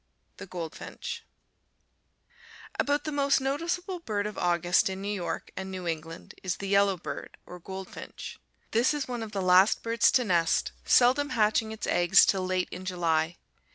THE GOLDFINCH About the most noticeable bird of August in New York and New England is the yellowbird, or goldfinch. This is one of the last birds to nest, seldom hatching its eggs till late in July.